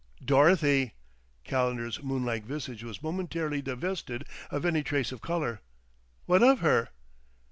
"Dorothy!" Calendar's moon like visage was momentarily divested of any trace of color. "What of her?"